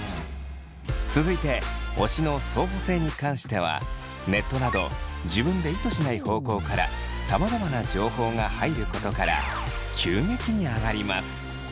続いて推しの相補性に関してはネットなど自分で意図しない方向からさまざまな情報が入ることから急激に上がります。